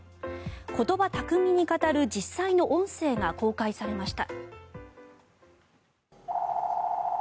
言葉巧みに語る実際の音声が公開されました。